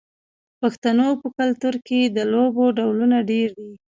د پښتنو په کلتور کې د لوبو ډولونه ډیر دي.